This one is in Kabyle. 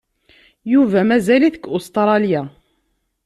Yuba mazal-it deg Ustṛalya.